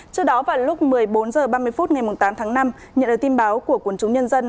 trước đó vào lúc một mươi bốn h ba mươi phút ngày tám tháng năm nhận được tin báo của quân chúng nhân dân